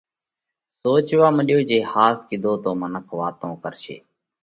سوچوا مڏيو جي ۿاس ڪِيڌو تو منک واتون ڪرشي